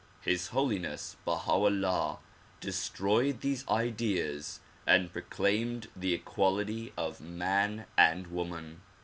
His Holiness Baha 'Ullah destroyed these ideas and proclaimed the equality of man and woman.